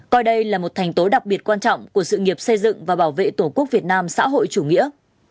coi đây là một thành tố đặc biệt quan trọng của sự nghiệp xây dựng và bảo vệ tổ quốc việt nam xã hội chủ nghĩa